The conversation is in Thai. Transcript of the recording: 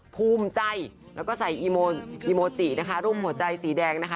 ภูมิใจแล้วก็ใส่อีโมจินะคะรูปหัวใจสีแดงนะคะ